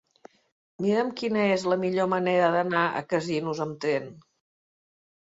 Mira'm quina és la millor manera d'anar a Casinos amb tren.